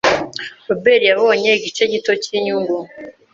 Robert yabonye igice gito cyinyungu.